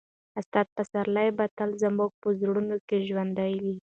استاد پسرلی به تل زموږ په زړونو کې ژوندی وي.